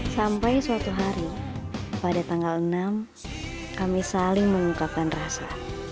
sampai suatu hari pada tanggal enam kami saling mengungkapkan rasa